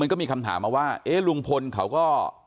ก็มีคำถามมาว่าเอ๊ะลุงพลเขาก็